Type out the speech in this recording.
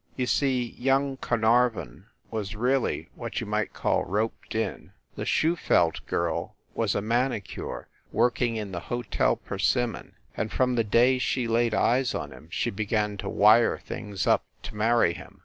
You see, young Carnarvon was really what you might call roped in. The Schufelt girl was a mani cure working in the Hotel Persimmon, and from the day she laid eyes on him she began to wire things up to marry him.